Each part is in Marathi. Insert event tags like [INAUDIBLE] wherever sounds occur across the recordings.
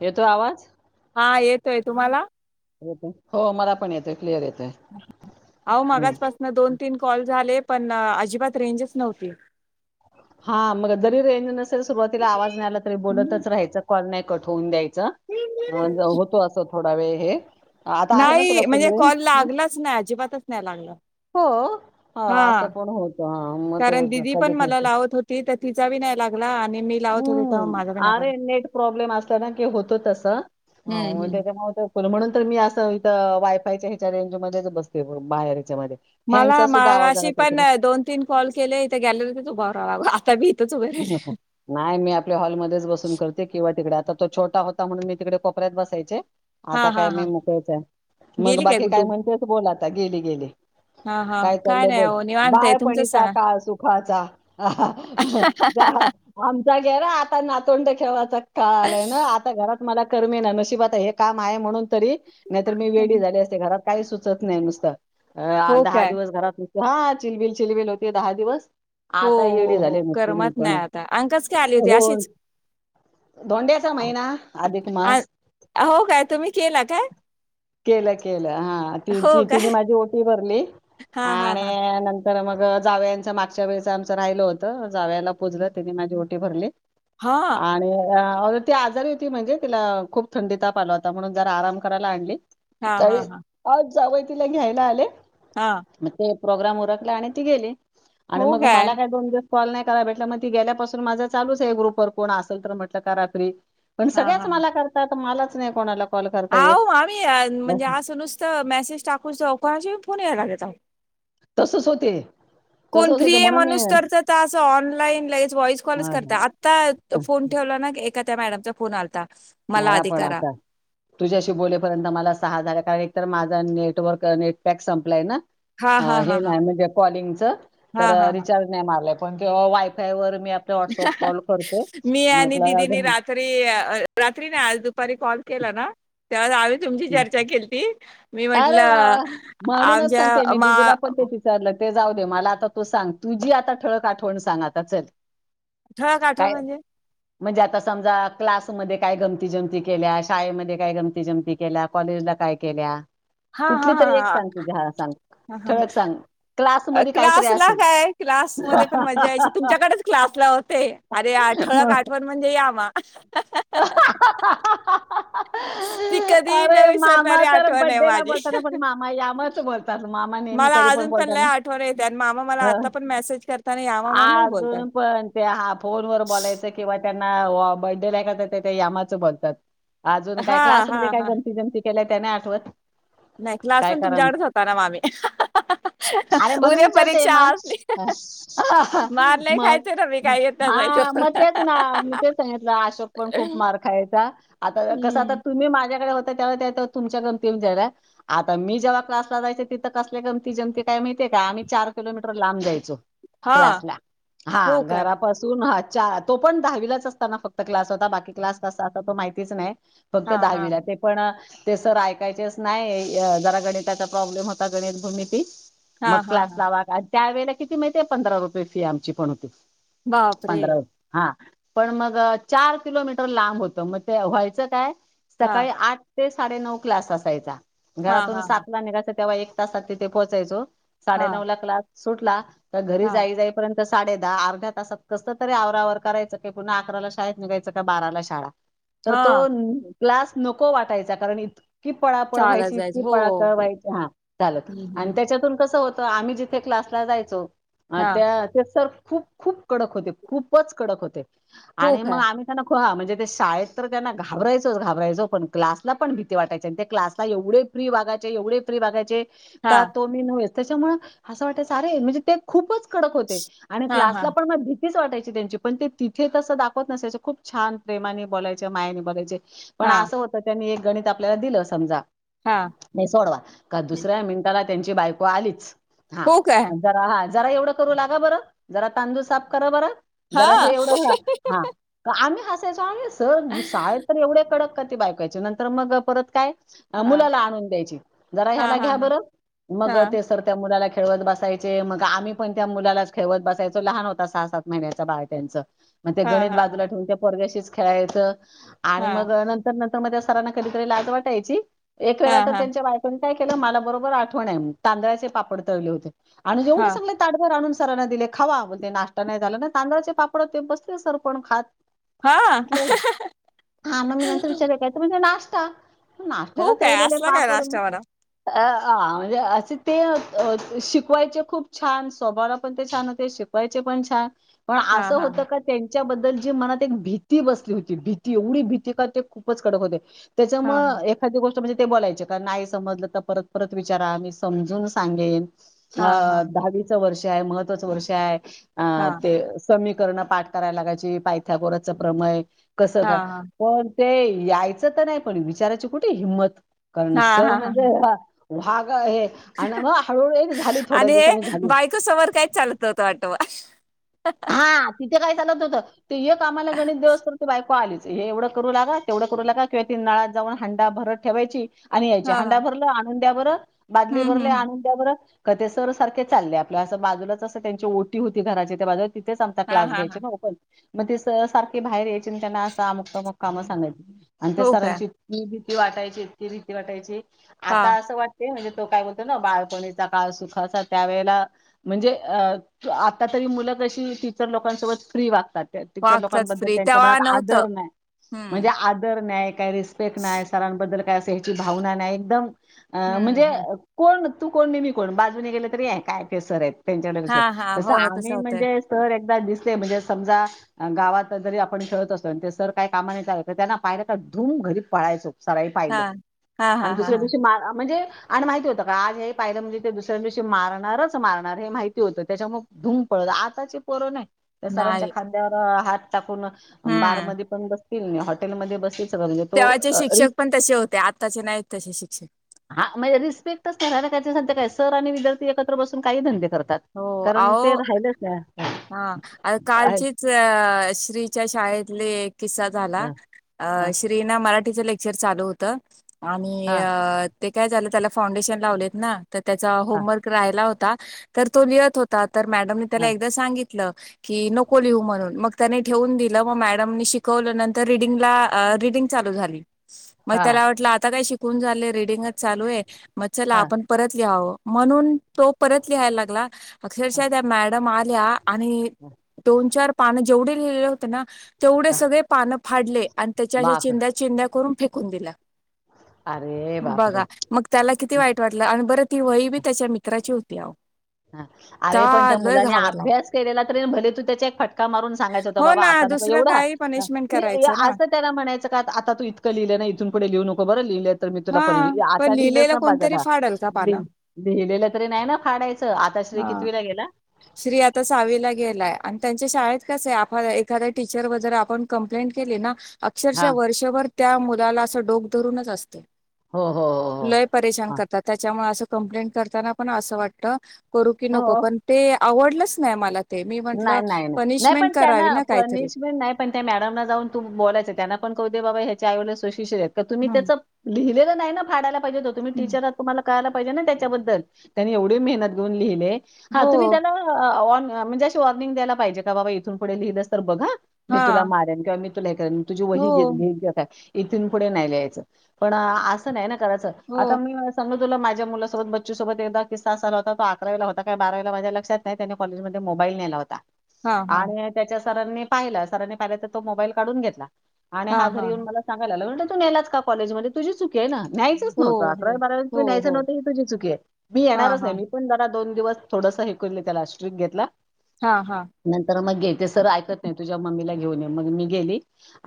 येतोय आवाज? हा येतोय तुम्हाला! हो मला पण येतोय क्लिअर येत अवो मगचपासना दोन तीन कॉल झाले पण अजिबात रेंजच नव्हती. हा मग जरी रेंज नसेल सुरुवातीला आवाज नाही आला तरी बोलतच राहायच कॉल नाही कठ होऊून द्यायचा होतो असं थोडा वेळ हे आता आहे ना तुला नाही फुल म्हणजे रेंज? कॉल मग? लागलाच नाही अजिबातच नाही लागला हो ह असं हा पण होत ह मग कारण ते दिदी पण कधी मला लावत होती तर तिचा बी नाही लागला आणि मी लावत होते तर हम्म माझा बी नाही लागला होत त हम्म हम्म. त्या म्हणून तर मी असं इथं वायफायच्या ह्याच्या रेंज मध्येच बसते बाहेर ह्याच्यामध्ये मला फॅनचा सुद्धा माग आवाज अशी आला तर पण दोन तीन कॉल केले इथे गॅलरीत उभारा लाग आताी नाही मी आपल्या हॉलमध्येध्येच बसून करते किंवा तिकड तर तो छोटा होता म्हणून मी तिकडे कोपऱ्यात बसायचे हा आता काय हा हा मी मोकळेचंय मग गेली बाकी काय गुड्डू? म्हणतेच बोला आता गेली गेली हा हा काय चाललंय नाही बोल हो निवांत आहे तुमचंच बाळपणीचा सांगा. काळ सुखाचा आमचा घेर आता नातोंड खेवाचा काल आहे ना आता घरात मला कर्मी नशिबात आहे हे काम आहे म्हणून तरी नाहीतर मी वेळी झाली असते घरात काही सुचत नाही नुसत हो दहा काय? दिवस घरात हा चिलबिल चिलबिल होती दहा दिवस हो आता येडी हो झाले हो म तु्ही करमत पणा नाही आता अंकच काय आली होती होन अशीच धोंड्याचा महिना अधिक अ मास हो काय तुम्ही केला काय केलं केलं हा हो तिची काय तिने माझी ओटी भरली हा हा आणि हा नंत तर मग जावया यांच्या मागच्या वेळेच आमचं राहिलं होतं जाव्याला प पुजलं तिने माझी ओटी भरली हा आणि ती आजारी होती म्हणजे तिला खूप थंडी ताप आला होता म्हणून जर आराम करायला आणली हा का हा हा आज जावय तिला घ्यायला आले हा ते प्रोग्राम ओरखला आणि ती गेली आणि मग मला काय दोन दिव कॉल नाही करा भेटला मग ती गेल्यापासून माझं चालूच आहे ग्रुप वर कोण असेल तर म्हटलं कराखरी पण सगळ्याच मला करतात मलाच नाही कोणाला कॉल ह करता येत आम्ही म्हणजे आज नुसत मेसेज टाकूो कोणाशी फोन यायला लागेल तसच होते कोण तसच फ्री होते आहे म्हणून मी म्हणूस तर अस ऑनलाईन लगेच व्हॉइस कॉलच हा, करत हा. आता फोन ठेव एका त्या मॅडमचा फोन आता मला पण आता तुझ्याशी बोलेपर्यंत मला सहा झाला कारण तर माझा नेटवर्क नेटपॅक संपलाय ना हा हा हा हे हा नाही म्हणजे कॉलिंगच तर हा हा हा रिचार्ज नाही मारलं पण वायफायवर मी आणि म्हटलं जाऊ दे दिदीनी रात्री आज दुपारी कॉल केला ना तेव्हा तुमची चर्चा केती मी अरे वा म्हंटलं वा म्हणूनच सांगते आमच्या मी मा दिदीला पण तेच विचारलं ते जाऊ दे मला आता तू सांग तुझी आता ठळक आठवण सांग आता चल ठळक आठण काय म्हणजे म्हणजे आता समजा क्लासमध्ये काय गमती जमती केल्या शाळेमध्ये काय गमती जमती केल्या कॉलेजला काय केल्या हा हा कुठली तरी एक सांग तुझी हा सांग हा ठळक सांग. क्लासमध्ये काहीतरी क्लासला असेल. काय क्लास मध्ये पण मजा यायची तुमच्याकडेच क्लास होते अरे आठळक मग आठवण म्हणजे या म [INAUDIBLE] मामा विसरणारी तर आठवण आहे बड्डे ला माझी बोलताना पण मामा यामाच बोलतात मामा नेहमी मला कधी पण अजून लय बोलताना आठवण येते आणि मामा मला ह आता पण मेसेज करताना यामा म्हणूनच बोलतात अजून पण ते हा फोन वर बोलायच किंवा बच बतात अज का हा क्ला हा का हा केय त्याने आठवत नाही क्लास काय पण करावं तुमच्याकडेच होता ना मामी अरे म्हणून उद्या विचारतेय परीक्षा मग असली मार नाही मग खायचे ना मी काय येत हा जायचं मग तेच ना मी तेच सांगितलं अशोक पण खूप मार खायचा आता कस आता हम्म. तुम्ही माझ्याकडे हो तुमच्या गमती जाय आता मी जेव्हा क्लासला जायच तिथं कसल्या गमती गमती काय माहि आम्ही चार किलोमीटर लांबयचो हा क्लासला हा हो काय घरापासून च तो पण दहावीलाच असताना फक्त क्लास होता बाकी क्लास कसा असता तो माहितीच नाही फक्त हा हा दहावीला ते पण ते सर ऐकायचेच नाही जरा गणिताचा प्रॉब्लेम होता गणित भूमिती मग हा हा क्लास हा लावा आणि त्या ववेळेला किती माहिती पंधरा रुपये फी आमची पण होती बापरे पंधरा हा पण मग चार किलोमीटर लांब होतं मग ते व्हायचं काय हा सकाळी आठ ते साडे नऊ क्लास असायचा हा घरातून हा हा सातला निघायच तेव्हा एक तासात तिथे पोहोचायचो साडे हा नऊ ला क्लास सुटला तर घरी हा जाई जाईपर्यंत तर साडे दहा अर्ध्या तासात कसं तरी आवरावर करायचं क पुन्हा अकराला शाळेत निघायचं का बाराला शाळा तर तो हा क्लास नको वाटायचा कारण इ इतकी पळा पळ चालत व्हायची जायचं इतकी हो पळा पळ व्हायची हा झालत हम्म, आणि हम्म. त्यांच्यातून कसं होत आम्ही जिथे क्लासला जायचो हा त्या ते स खूप खूप कडक होते खूपच कडक होते हो आणि मग काय आम्ही त्यांना ह म्हणजे ते शाळेत तर त्यांना घाबरायचोच घाबरायचो पण क्लासला पण भीती वाटायची आणि त्या क्लासला एवढे फ्री वागायचे एवढे फ्री वागायचे हा का तो मी नव्हेच त्यांच्यामुळे असं वाटायचं म्हणजे ते खूपच कडक होते आणि हा हा क्लासला पण भीतीच वाटायची त्यांची पण ते तिथे तसं दाखवत नसायचं खूप छान प्रेमाने बोलायचे मायाने बोलायचे पण हा असं होत त्यांनी एक गणित आपल्याला दिलं समजा हा नाही सोडवा का हम्म. दुसऱ्या मिनिटाला त्यांची बायको आलीच हा हो काय जरा हा जरा एवढं करू लागा बरं जरा तांदूळ साफ करा बरं हा जरा हे एवढं हा आम्ही हस शाळेत तर एवढ्या कडक क ते बायकायचे नंतर मग परत काय हा मुलाला आणून द्यायची जरा हा ह्याला हा घ्या हा बरं मग हा ते सर त्या मुलाला खेळवत बसायचे मग आम्ही पण त्या मुलालाच खेळत बसायचो लहान होता सहा सात महिन्याचा बाळ त्यांचा मग ते हा गणित हा बाजूला ठेवून त्या परग्याशीच खेळायचं आणि हा मग नंतर कधीतरी लाज वाटायची एक वेळ हा तर त्यांच्या बायकोनी काय मला बरोबर आठवण आहे तांदळा्याचे पापड तळले होते आणि हा जेवढे ताटभर आणले सरांना दिले खावा ते नाश्ता नाही झाला ना तांदळाचे पापड ते बसले सर पण खात हा हा म्हटलं हा मग ममी नंतर विचारययच म्हणजे नाश्ता नाश्त्याला हो काय तळलेले असला काय पापड नाश्ता मला अ म्हणजे असे ते शिकवायचे खूप छान स्वभाला पण ते छान होते शिक शिकवायचे पण छान पण हा असं हा होतं का त्यांच्याबद्दल जी मनात एक भीती बसली होती भीती एवढी भीती का ते खूप कडक होते हा हा त्यांच्यामुळे एखादी गोष्ट म्हणजे ते बोलायचे का नाही समजलं तर परत परत विचारा मी समजून सांगेन अ हा हा हा दहावीचं वर्ष आहे महत्वाचं वर्ष आहे अ हा ते समीकरण पाठ करायला लागायची पायथ्या गोरचे प्रमये कसं का हा पण ते यायचं तर नाही पण विचाराची कुठे हिंमत कारण हा सर हा म्हणजे वाघ हे आणि मग हळूहळू एक झाली थोड्या आणि हे दिवसाांनी झाली बायको समोर काहीच चालत नव्हतं वाटतं हा तिथे काय चालत होतं त एक आम्हाला गणित देवस्तर बायको आलीच हे एवढं करू लागा तेवढं करू लागा किंवा ती नळात जाऊन हांडा भरत ठेवायची आणि यायचे हां, हांड्या हां. भरलं आणून द्या बरं बादली हं, भरले हं. आणून द्या बरं कथेसर सारखे चालले आपल्या असं बाजूलाच असं त्यांची ओटी होती घराची त्या बाजू तिथेच आम हां, क्लास हां, घ्यायचे हां. ना ओपन मग ते स सारखे बाहेर यायचे म त्यांना असं अमुकतामुक कामं सांगायची आणि त्या हो का? सरांची ती वाटायचेत रीती वाटायचे आता हां. असं वाट म्हणजे तो काय बणतो ना बाळपणीचा काळ सुखाचा त्यावेळेला म्हणजे आता मु अशी टीचर लोकांसोबत फ्री वागतात तच्या वागतात लोकांबद्दल फ्री त्यांच्या तेव्हा मनात नव्हतं. आदर नाही म्हणजे हं, आदर नाही का रिस्पेक्ट नाही सरांबद्दल काय अस ह्याची भावना नाही एकदम हं, म्हणजे हं. कोण तू कोण नेहमी कोण बाजूने गेलं तरी आहे काय केसर आहेत त्यांच्या क हां, हां. तसं हो, हो. आम्ही होतंय. म्हणजे दि म्हणजे समजा गाात जरी आपण खेळत असतो सर काय कामा त्यां धूम घरी पळायचो सराळी पाहिलं हां. हां, आणि हां, हां, दुसऱ्या हां. दिवशी म म्हणजे आणि माहिती होतं का आज हे पाहिलं म्हणजे ते दुसऱ्यां दिवशी मारणारच मारणार हे माहिती होतं त्याच्यामु धूमप आताची पोरो नाही सरांच्या नाही. खांद्यावर हात टाकून बार म हं. पण हॉटेमध्ये बस तेव्हाचे शिक्षक पण तसे होते आताचे नाहीत तसे शिक्षक हा म्हणजे रिस्पेक्टच करा त्याय काय सर आणि विद्यार्थी एकत्र बसून काही धंदे करतात हो, कारण अहो ते राहिलंच का हा कालचीच अ श्रीच्या शाळेतली एक किसा झाला हा श्रीना मराठीचं लेक्चर चालू होत आणि हा ते काय झालं त्याला फाउंडेशन लावलेत ना तर त्याचा होमवर्क राहायला होता तर तो लिहत होता तर मॅडम त्याला एकदा सांगितलं नि म्ह त्या ठे म श रीडिंग चालू झाली मग हा त्याला वाटलं आता काय शिकून झालंय रीडिंगच चालू आहे मग चला हा आपण परत लिहावं म्हणून तो परत लिहायला लागला अक्षरशः त्या मॅडम आल्या आणि दोन चार पानं जेवढे लिहिले होते ना तेवढे सगळे पानं फाडले आणि त्याच्या अशा बाप चिंद्या चिंद्या करून फेकून दिला अरे बापरे बघा मग त्याला किती वाईट वाटलं आणि ब ती वही बी त्याच्या मित्राची होती अ ह अरे पण त्या मुलाने अभ्यास केलेला तरी भले तू त्याचा एक फटका मारून सांगायच होता हो बाबा ना आता दुसरं वढ काही पनिशमेंट करायचं ना असं त्याला म्हणायचं का आता तू इतकं लिहिलं ना इथून क लिहू नको बरं लिहिलं मी तुला हा पर पण आता लिहिलंच लिहिलेलं ना कोणतरी बाजाला फाडल का पानं लिहिलं तरी नाही ना फाडायचं आता श्री हा कितवीला गेला? श्री आता सावीला गेलाय आणि त्यां शाळ क एखा टीचर वगरे आपण कंप्लेंट केली ना अक्षरश हां. वर्षभर त्या मुलाला असं डोक धरूनच असते हो, हो, हो, हो. लय परशान हां. करतात त्याच्यामुळे असं कप्लेट करताना पण अस वाटत करू की नको हो. पण ते आवडलच नाही मला ते मी नाही म्हंटलं नाही नाही नाही पनिशमेंट पण त्यांना करावी ना काहीतरी पनिशमेंट नाही पण त्या मॅडमला जाऊन तू बोलायचं त्यांना पण क ते बाबा ह्याच्या आवड सुशष्य आहेत का तुम् हं त्याच लिहिलेलं नाही ना फायला पाहिजे तुम्ही हं टीचर तुम्हाला तेचा बदल येवडी मेहनत घयुन लिहल्य ह हो तुमि तेला म्हणजे अशी वॉर्निंग दयला पाहिजे का बाबा इथून पुढे लिहिलंस तर बघा मी तुला हां मारेन किंवा तुला हे तुझी व हो घ इथून पुढे नाही लियचं पण असं नाही करायचं हो आता मी समज तुला माझ्या मुलासोबत बच्चसोबत एक किस्सा झाला हो तो अकराला होता का बारावीला माझ्या लक्षात नाही त्यानी कॉजमध्ये मोबाईल नेला होता हां हां आणि त्याच्या सरांनी पाहिला सरांनी पाहिलं तर तो मोबाईल काढून घेतला आणि हां हा घरी हां येऊन मला सांगायला लाला म्हट त नेलाच का कॉलेज मध्ये तुझी चुक आहे ना न्यायच हो नवत हो अकरा बारा हो तु् न्यायच हो नव्हतं तुझी चुक आहे मी हां येणारच नाही हां मीण ज दोन दिवस थोडस हे कर त्यालाट्रिक घेतला हां हां नंतर मग गे ते सर ऐकत नाही तुझ्या मम्मीला घेऊन ये मग मी गेली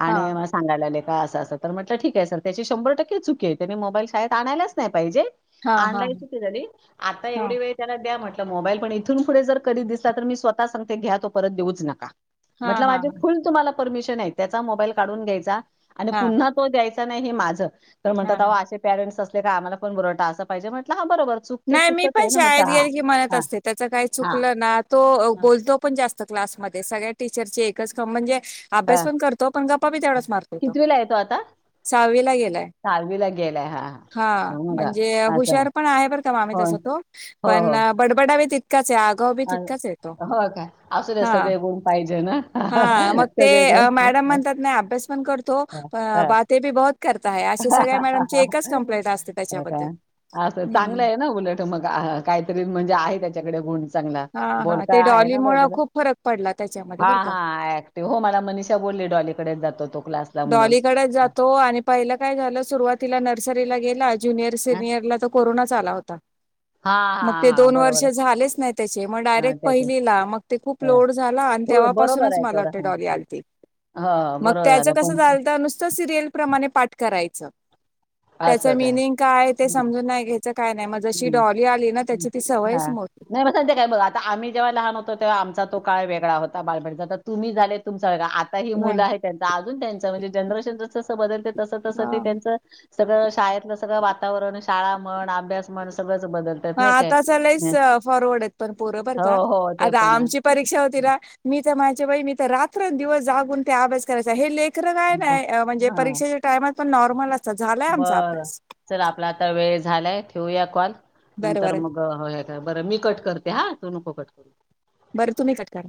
आणि हां मला सांगायला लाग असा अस तर म्हटलं ठीक आहे सर त्याची शंभर टक्के चुकी आहे त्याने मोबाईल शाेत आणायलाच नाही पाहिजे हां हां नलाईन सु झाली आता हां एवढी वेळ त्याला द्या म्हटलं मोबाईल पण इथून पुढे जर कधी दिस [INAUDIBLE] हां हां हां परमिशन आहे त्याचा मोबाईल काढून घ्यायचा आणि हां पुन्हा तो द्यायचा नाही हे माझं तर म्हणतात हां असे पेरेंट्स असले का आम्हाला कोण बरवड अस पाहिजे म्हटलं बरोबर चूक ते नाही मी चूकच पण आहे ना म्हटलं शाळेत हा गेले की म्हणत हां असते त्याच काही हां चुकलं ना तो हां बोलतो पण जास्त क्लासमध्ये सगळ्या टीचरचे एकच काम म्हणजे अभ्यास हां पण करतो पण गप्पा बी हां तेवढाच मारतो तो कितवीला आहे आता साहावीला गेलाय सहावीला गेलाय हां हा हां मग म्हणजे असं हुशर पण आहे बर का बडा हो हो हो ततका अ हो का असू दे सगळे गुण पाहिजे ना सगळे [INAUDIBLE] गुण मॅडम म्हणतात ना अभ्यास पण करतो हां बााते बी बत करता आहे अशे सगळ्या मॅडमची एकच हां कंप्लेंट असते हो का? असं त्याच्याबद्दल् चांगलं आहे ना उलट मग काहीतरी म्हणजे आहे त्याच्याकडे गं चांगला हा हा ते बोलता आहे ना डॉलीमुळे बजर खूप फरक पडला त्याच्यामध्ये हा बरं का हा ऍक्टिव हो मला मनीषा बोलली डॉल डे जातो तो क्लासला म्हणून डॉलीकडेच जातो आणि पहिलं काय झालं सुरुवातीला नर्सरीला गेला हा हो हा हा दो हा, वर् बरोबर आहे. झा त्याचे मग हा डायरेक्ट त्याचे पहिलीला मग हा. हो व कसं बरोबर आहे तेवढं हा हा. हो बरोबर झालं पण झालत नुसतं सिरियल प्रमाणे पाठ करायचं त्याच मिनिंग कायय ते समजून नाही घ्यायच ह् सवयच हा मोठी. नाही ते काय बघा आता आम्ही जेव्हा लहान होतो तेव्हा आमचा तो काळ वेगळा होता बालबेचा तुम्ही झाले त आता ही मुलं आहे त्यांच अजून त्यांच म्हणजे जनरेशन जस जस बदलते तस तस ते हा. त्यांच सगळं शाळेतलं सगळं वातावरण शाळा म्हण अभ्यास म्हण सगळं हा आता चलाच फॉरवर्ड आहेत पण बरोबर हो का हो ते आता पण आहे. आमची परीक्षा होती ना मी तर माझ मी तर रात्र दिवस जागून ते अभ्यास करायचा हे ले ं काय नाही म्हणजे हां परीक्षेच्या टायमात पण नॉर्मल असतात झालाय आमचा बरं अभ्यास चल आपला आता वेळ झालाय ठेवूया ल बरं नंतर बरं मग काय बर मी कट करते हा तू नको कट करू बरं तुम्ही कटकार